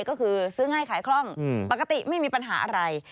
ก็คือซื้อง่ายขายคล่องปกติไม่มีปัญหาอะไร